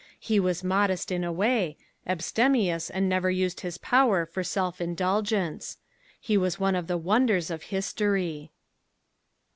He was modest in a way, abstemious and never used his power for selfish indulgence. He was one of the wonders of history.